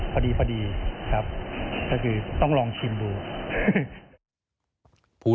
พอดีครับต้องลองชิมดู